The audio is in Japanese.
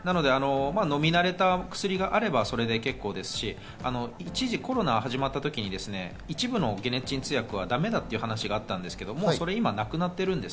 のみ慣れた薬があればそれで結構ですし、一時コロナが始まった時に一部の解熱鎮痛薬はだめだという話があったんですけど、今、それはなくなっています。